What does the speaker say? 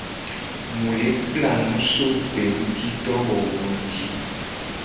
Mu le kpla nu so gbengutidowowo nguti.